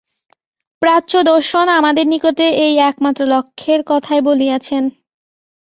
প্রাচ্য দর্শন আমাদের নিকটে এই একমাত্র লক্ষ্যের কথাই বলিয়াছেন।